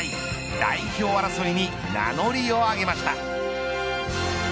代表争いに名乗りを挙げました。